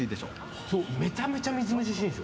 めちゃめちゃみずみずしいです。